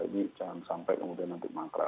jangan sampai kemudian nanti mangkrak